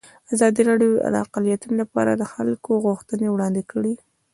ازادي راډیو د اقلیتونه لپاره د خلکو غوښتنې وړاندې کړي.